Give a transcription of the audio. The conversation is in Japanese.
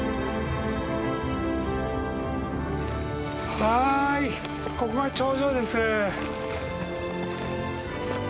はいここが頂上です。